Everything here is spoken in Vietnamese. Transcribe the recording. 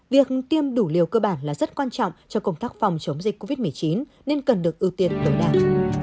việc tiêm đủ liều cơ bản là rất quan trọng cho công tác phòng chống dịch covid một mươi chín nên cần được ưu tiên tối đa